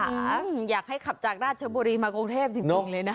อยากให้ขับจากราชบุรีมากรุงเทพจริงเลยนะคะ